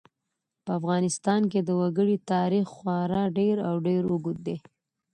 په افغانستان کې د وګړي تاریخ خورا ډېر او ډېر اوږد دی.